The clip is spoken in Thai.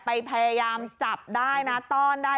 พยายามจับได้นะต้อนได้